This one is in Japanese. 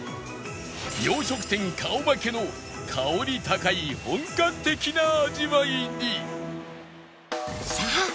洋食店顔負けの香り高い本格的な味わいに